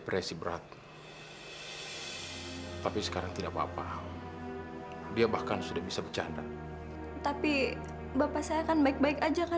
pak sebutin aja pak pasti akan aku beliin kok